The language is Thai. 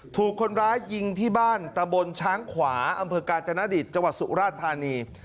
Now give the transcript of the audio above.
ถูกคนร้ายยิงที่บ้านตะบนช้างขวาอำเภอกาญจนดิตจังหวัดสุราชธานี